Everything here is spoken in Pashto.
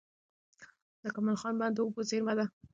د کمال خان بند د اوبو زېرمه ده.